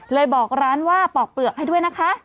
บอกร้านว่าปอกเปลือกให้ด้วยนะคะ